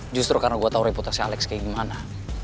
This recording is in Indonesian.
justru karena gue tahu reputasi alex kayak gimana